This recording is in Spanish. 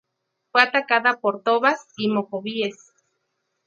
Fue atacada por tobas y mocovíes.